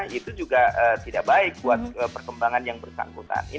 itu juga tidak baik buat perkembangan yang bersangkutan